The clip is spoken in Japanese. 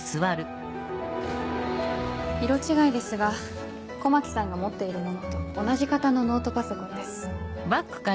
色違いですが狛木さんが持っているものと同じ型のノートパソコンです。